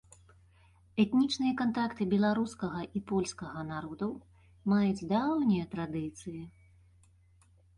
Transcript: Этнічныя кантакты беларускага і польскага народаў маюць даўнія традыцыі.